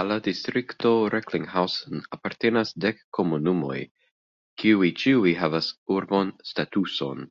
Al la distrikto Recklinghausen apartenas dek komunumoj, kiuj ĉiuj havas urban statuson.